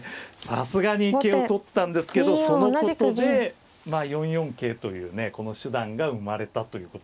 さすがに桂を取ったんですけどそのことでまあ４四桂というねこの手段が生まれたということで。